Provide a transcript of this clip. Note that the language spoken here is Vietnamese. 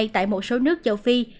tại một số nước châu phi